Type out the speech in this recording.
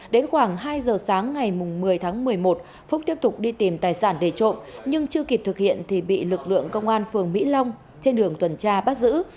đến khoảng hai giờ sáng ngày một mươi tháng một mươi một phúc tiếp tục đi tìm tài sản để trộm nhưng chưa kịp thực hiện thì bị lực lượng công an phường mỹ long trên đường tuần tra bắt giữ